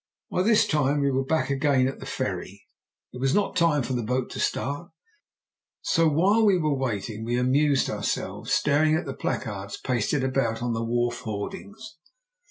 By this time we were back again at the ferry. It was not time for the boat to start, so while we waited we amused ourselves staring at the placards pasted about on the wharf hoardings.